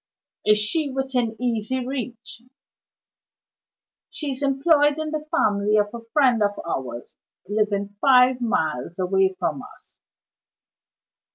"Is she within easy reach?" "She is employed in the family of a friend of ours, living five miles away from us."